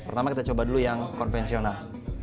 pertama kita coba dulu yang konvensional